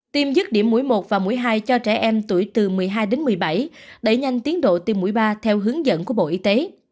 tiêm dứt điểm mũi một và mũi hai cho trẻ em tuổi từ một mươi hai đến một mươi bảy đẩy nhanh tiến độ tiêm mũi ba theo hướng dẫn của bộ y tế